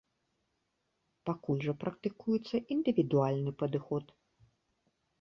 Пакуль жа практыкуецца індывідуальны падыход.